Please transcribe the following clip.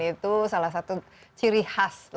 itu salah satu ciri khas